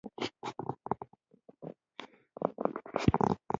سوالګر له اړتیا زاری کوي